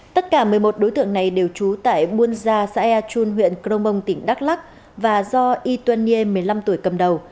tất cả một mươi một đối tượng này đều trú tại buôn gia xã ea chun huyện crong bông tỉnh đắk lắc và do y tuân niệm một mươi năm tuổi cầm đầu